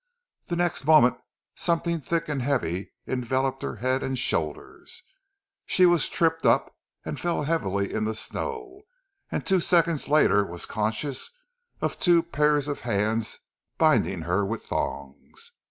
The next moment something thick and heavy enveloped her head and shoulders, she was tripped up and fell heavily in the snow, and two seconds later was conscious of two pairs of hands binding her with thongs.